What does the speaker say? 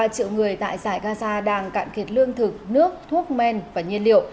ba triệu người tại giải gaza đang cạn kiệt lương thực nước thuốc men và nhiên liệu